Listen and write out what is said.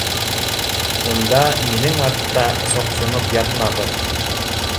Унда минең артта соҡсоноп ятмағыҙ